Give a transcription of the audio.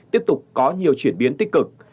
tiếp tục có nhiều chuyển biến tích cực